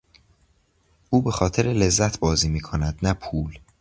او به خاطر لذت بازی میکند نه پول.